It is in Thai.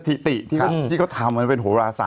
ที่เขาทำมันเป็นโหราศาสตร์